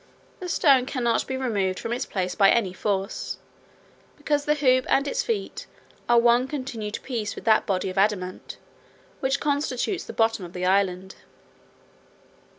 The stone cannot be removed from its place by any force, because the hoop and its feet are one continued piece with that body of adamant which constitutes the bottom of the island.